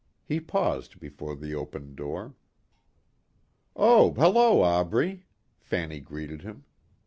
He paused before the opened door. "Oh, hello Aubrey," Fanny greeted him.